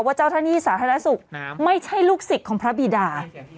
ว่าเจ้าท่านีสาธารณสุขไม่ใช่ลูกศิกของพระบิดา